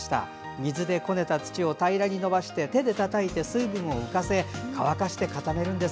水でこねた土を平らに延ばして手でたたいて水分を浮かせ、乾かして固めるんです。